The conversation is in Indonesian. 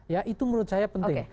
ya itu menurut saya penting